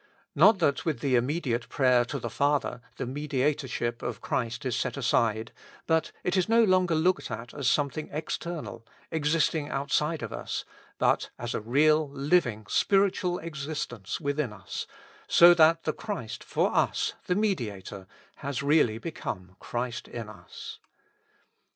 Not that with the immediate prayer to the Father, the mediatorship of Christ is set aside ; but it is no longer looked at as something external, existing outside of us, but as a real living spiritual existence within us, so that the Christ/or tis, the Mediator, has really become Christ iu us.